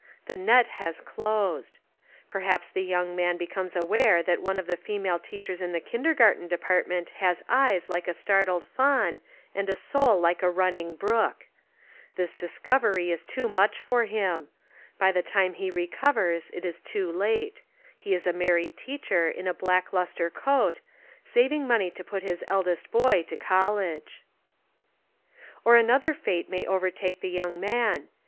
The net has closed. Perhaps the young man be comes aware that one of the female teachers in the kindergarten department has eyes like a startled fawn and a soul like a running brook. The discovery is too much for him. By the time he recovers it is too late. He is a mar ried teacher in a black lustre coat, saving money to put his eldest boy to college. Or another fate may overtake the young man.